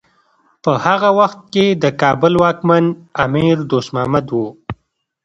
په هغه وخت کې د کابل واکمن امیر دوست محمد و.